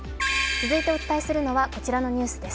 続いてお伝えするのはこちらのニュースです。